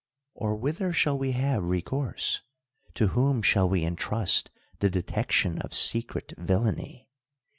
Or whither shall we have recourse ? to whom shall w^e intrust the detection of secret villainy?